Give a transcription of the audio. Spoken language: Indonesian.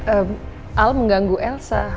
eee alm mengganggu elsa